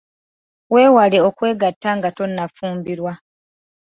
Weewale okwegatta nga tonnafumbirwa.